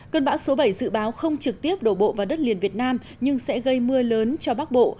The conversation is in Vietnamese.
cơn bão số bảy dự báo không trực tiếp đổ bộ vào đất liền việt nam nhưng sẽ gây mưa lớn cho bắc bộ